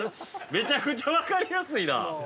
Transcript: めちゃくちゃ分かりやすいなあ。